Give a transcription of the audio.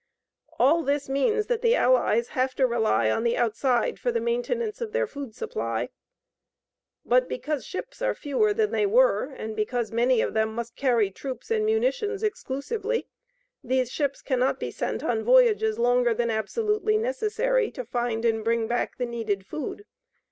All this means that the Allies have to rely on the outside for the maintenance of their food supply. But because ships are fewer than they were, and because many of them must carry troops and munitions exclusively, these ships cannot be sent on voyages longer than absolutely necessary to find and bring back the needed food.